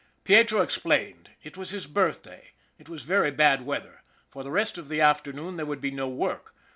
Pietro explained. It was his birthday. It was very bad weather. For the rest of the afternoon there would be no work.